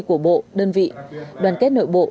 của bộ đơn vị đoàn kết nội bộ